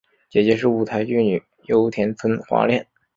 姐姐是舞台剧女优田村花恋。